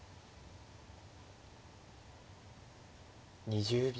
２０秒。